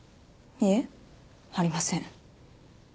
いえありません。